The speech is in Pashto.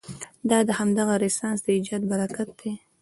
دا د همغه رنسانس د ایجاد براکت دی.